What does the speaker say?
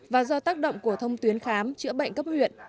và do tác động của thông tuyến khám chữa bệnh cấp huyện